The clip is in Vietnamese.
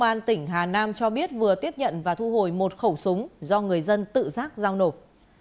phòng cảnh sát giao thông công an cho biết vừa tiếp nhận và thu hồi một khẩu súng do người dân tự giác giao nộp